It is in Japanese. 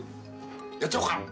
やっちゃおうか！